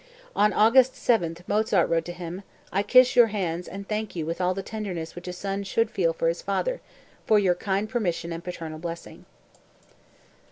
On August 7 Mozart wrote to him: "I kiss your hands and thank you with all the tenderness which a son should feel for his father, for your kind permission and paternal blessing.")